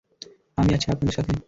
আমি আছি আপনাদের সাথে।